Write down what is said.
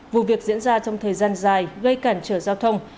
vụ việc diễn ra trong thời gian dài gây cản trở giao thông